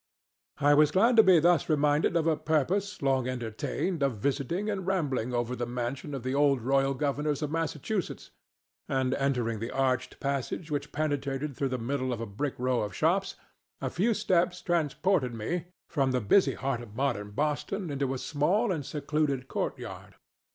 I was glad to be thus reminded of a purpose, long entertained, of visiting and rambling over the mansion of the old royal governors of Massachusetts, and, entering the arched passage which penetrated through the middle of a brick row of shops, a few steps transported me from the busy heart of modern Boston into a small and secluded court yard.